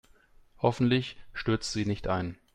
Hoffentlich stürzt sie nicht ein.